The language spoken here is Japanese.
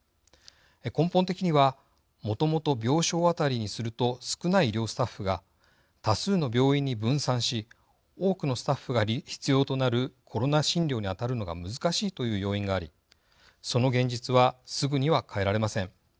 根本的にはもともと病床当たりにすると少ない医療スタッフが多数の病院に分散し多くのスタッフが必要となるコロナ診療に当たるのが難しいという要因がありその現実はすぐには変えられません。